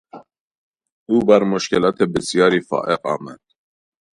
او بر مشکلات بسیاری فائق آمد.